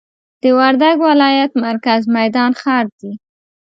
د وردګ ولایت مرکز میدان ښار دي.